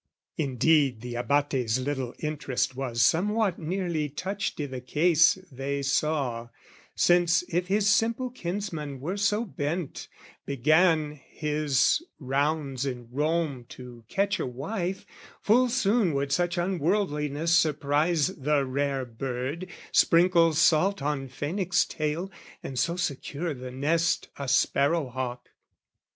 Indeed, the Abate's little interest Was somewhat nearly touched i' the case, they saw: Since if his simple kinsman so were bent, Began his rounds in Rome to catch a wife, Full soon would such unworldliness surprise The rare bird, sprinkle salt on phaenix' tail, And so secure the nest a sparrow hawk.